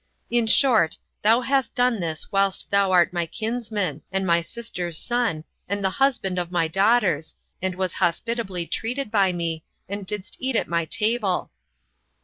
In short, thou hast done this whilst thou art my kinsman, and my sister's son, and the husband of my daughters, and was hospitably treated by me, and didst eat at my table."